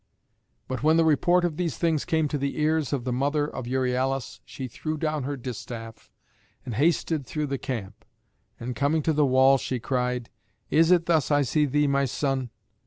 But when the report of these things came to the ears of the mother of Euryalus, she threw down her distaff, and hasted through the camp; and coming to the wall, she cried, "Is it thus I see thee, my son?